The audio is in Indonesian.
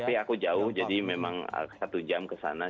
tapi aku jauh jadi memang satu jam kesana